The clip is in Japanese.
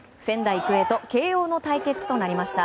育英と慶応の対決となりました。